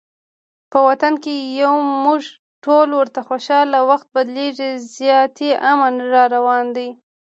په وطن کې یو مونږ ټول ورته خوشحاله، وخت بدلیږي زیاتي امن راروان دی